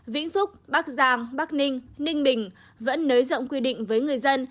vĩnh phúc bắc giang bắc ninh ninh bình vẫn nới rộng quy định với người dân